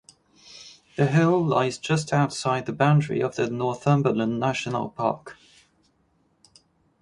The hill lies just outside the boundary of the Northumberland National Park.